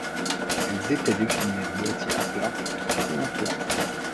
Elles étaient déclinées en boîtier à plat ou en tour.